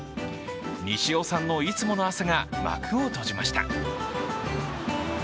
西尾さんのいつもの朝が幕を閉じました。